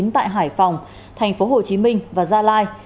tại hải phòng tp hcm và gia lai